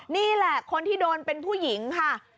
นี่แหละคนที่โดดอกรอยได้วันละร้อยสองร้อย